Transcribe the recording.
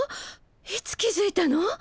いつ気づいたの？